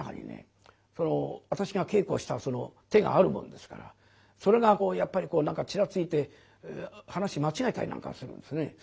私が稽古したその手があるもんですからそれがやっぱり何かちらついて噺間違えたりなんかするんですね。